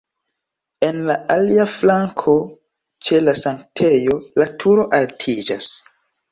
En la alia flanko ĉe la sanktejo la turo altiĝas.